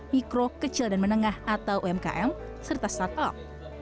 mikro kecil dan menengah atau umkm serta start up